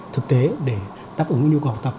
thực tế để đáp ứng nhu cầu tập